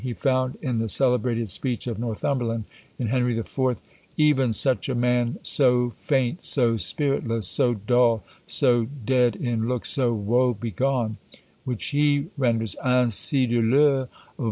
He found in the celebrated speech of Northumberland in Henry IV. Even such a man, so faint, so spiritless, So dull, so dead in look, so woe begone which he renders "_Ainsi douleur!